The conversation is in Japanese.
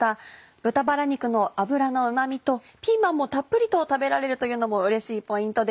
豚バラ肉の脂のうま味とピーマンもたっぷりと食べられるというのもうれしいポイントです。